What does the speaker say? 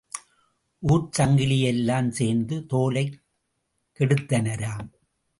ஊர்ச் சக்கிலி எல்லாம் சேர்ந்து தோலைக் கெடுத்தனராம்.